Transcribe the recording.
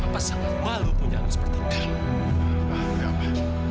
kenapa sangat malu punya anak seperti kamu